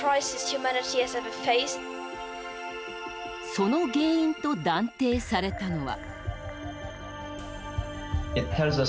その原因と断定されたのは。